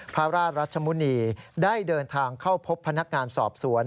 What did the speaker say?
พระราชมุณีได้เดินทางเข้าพบพนักงานสอบสวน